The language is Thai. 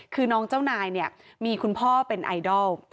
คือน้องเจ้านายเนี่ยมีคุณพ่อเป็นไอดอล